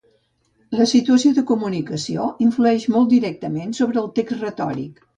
La situació de comunicació influeix molt directament sobre el text retòric.